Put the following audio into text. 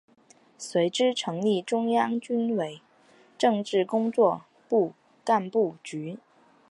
随之成立中央军委政治工作部干部局。